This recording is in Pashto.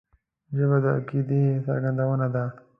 ژبه د عقیدې څرګندونه ده